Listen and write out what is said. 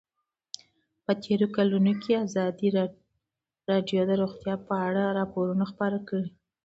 په تېرو کلونو کې ازادي راډیو د روغتیا په اړه راپورونه خپاره کړي دي.